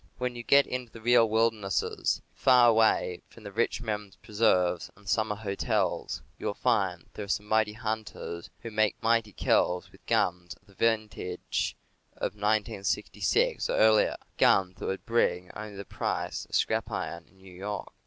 When 94 CAMPING AND WOODCRAFT you get into the real wilderness, far away from rich men's preserves and summer hotels, you will find there some mighty hunters who make mighty kills with guns of the vintage of 1866, or earlier — guns that would bring only the price of scrap iron in New York.